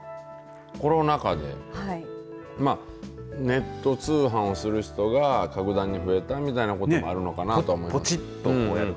コロナ禍でネット通販をする人が格段に増えたみたいなこともあるのかなと。